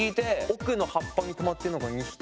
奥の葉っぱにとまってるのが２匹。